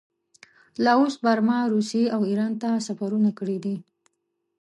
لاوس، برما، روسیې او ایران ته سفرونه کړي دي.